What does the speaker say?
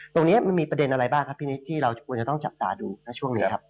ตรงนี้มันมีประเด็นอะไรบ้างครับพี่นิดที่เราควรจะต้องจับตาดูนะช่วงนี้ครับ